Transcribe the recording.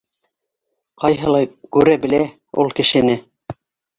Ҡайһылай күрә белә ул кешене!